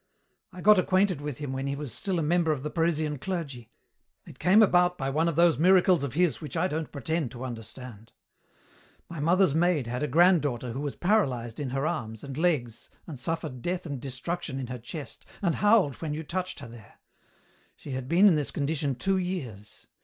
"I got acquainted with him when he was still a member of the Parisian clergy. It came about by one of those miracles of his which I don't pretend to understand. "My mother's maid had a granddaughter who was paralyzed in her arms and legs and suffered death and destruction in her chest and howled when you touched her there. She had been in this condition two years.